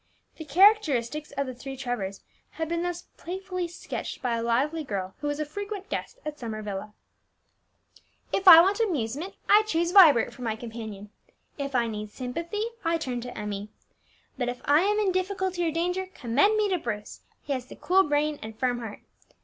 The characteristics of the three Trevors had been thus playfully sketched by a lively girl who was a frequent guest at Summer Villa: "If I want amusement, I choose Vibert for my companion; if I need sympathy, I turn to Emmie; but if I am in difficulty or danger, commend me to Bruce, he has the cool brain and firm heart.